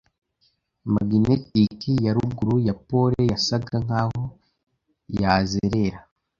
maginetiki ya ruguru ya pole yasaga nkaho yazerera